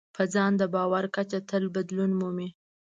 په ځان د باور کچه تل بدلون مومي.